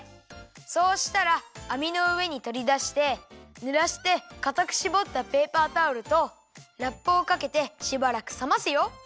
そうしたらあみのうえにとりだしてぬらしてかたくしぼったペーパータオルとラップをかけてしばらくさますよ。